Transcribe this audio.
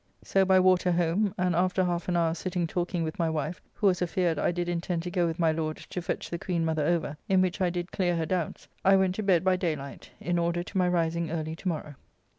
So by water home, and after half an hour sitting talking with my wife, who was afeard I did intend to go with my Lord to fetch the Queen mother over, in which I did clear her doubts, I went to bed by daylight, in order to my rising early to morrow.